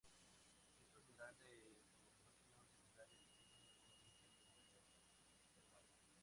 Es un mineral de formación secundaria que tiene un origen hidrotermal.